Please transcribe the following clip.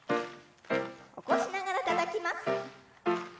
起こしながらたたきます。